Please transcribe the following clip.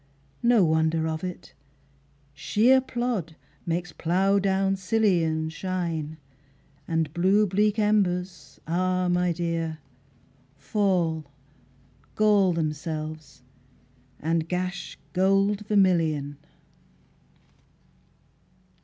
No wonder of it: shéer plód makes plough down sillion Shine, and blue bleak embers, ah my dear, Fall, gall themselves, and gash gold vermillion.